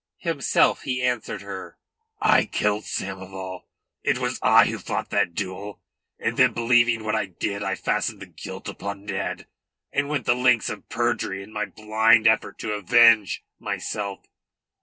Himself he answered her: "I killed Samoval. It was I who fought that duel. And then believing what I did, I fastened the guilt upon Ned, and went the lengths of perjury in my blind effort to avenge myself.